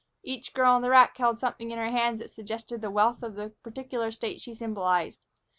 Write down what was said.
Each girl on the rack held something in her hands that suggested the wealth of the particular State she symbolized.